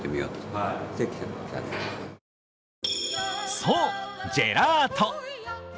そう、ジェラート。